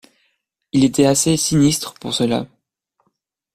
Il était assez sinistre pour cela.